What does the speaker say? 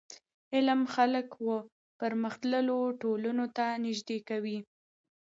علم خلک و پرمختللو ټولنو ته نژدي کوي.